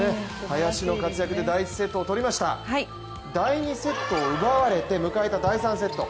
林の活躍で第１セットを取りました第２セットを奪われて迎えた第３セット。